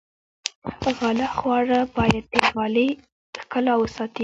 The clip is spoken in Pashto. غاله خواره باید د غالۍ ښکلا وساتي.